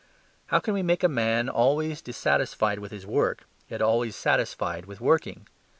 How can we make a man always dissatisfied with his work, yet always satisfied with working?